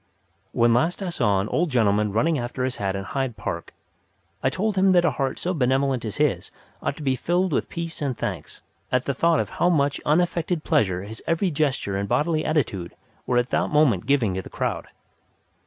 When last I saw an old gentleman running after his hat in Hyde Park, I told him that a heart so benevolent as his ought to be filled with peace and thanks at the thought of how much unaffected pleasure his every gesture and bodily attitude were at that moment giving to the crowd.